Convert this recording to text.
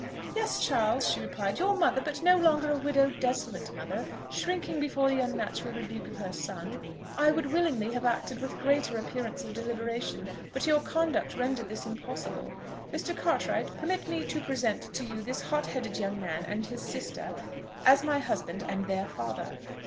"Yes, Charles!" she replied; "your mother; but no longer a widowed, desolate mother, shrinking before the unnatural rebuke of her son. I would willingly have acted with greater appearance of deliberation, but your conduct rendered this impossible. Mr. Cartwright! permit me to present you to this hot headed young man and his sister, as my husband and their father."